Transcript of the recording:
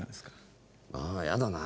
ああやだな。